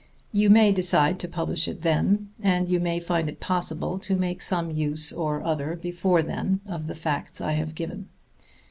You may decide to publish it then; and you may find it possible to make some use or other before then of the facts I have given.